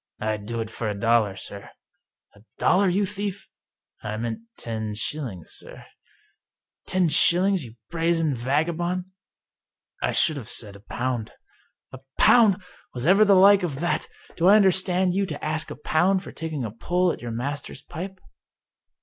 " I'd do it for a dollar, sir." "A dollar, you thief?" " I meant ten shillings, sir." " Ten shillings, you brazen vagabond? "" I should have said a pound." " A pound ! Was ever the like of that ! Do I understand you to ask a pound for taking a pull at your master's pipe?